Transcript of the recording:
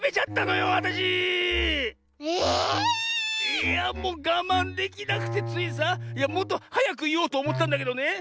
⁉いやもうがまんできなくてついさいやもっとはやくいおうとおもってたんだけどね。